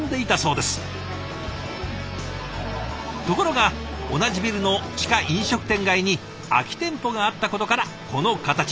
ところが同じビルの地下飲食店街に空き店舗があったことからこの形に。